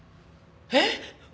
えっ！